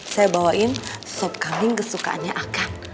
saya bawain sop kambing kesukaannya akan